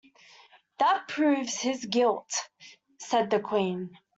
‘That proves his guilt,’ said the Queen.